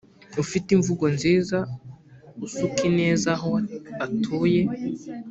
ufite imvugo nziza usuka ineza aho atuye